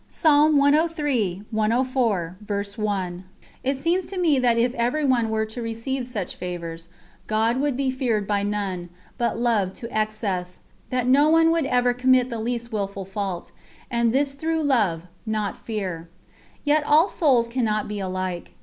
It seems to me that if everyone were to receive such favours God would be feared by none, but loved to excess; that no one would ever commit the least wilful fault and this through love, not fear. Yet all souls cannot be alike.